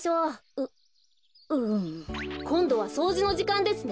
こんどはそうじのじかんですね。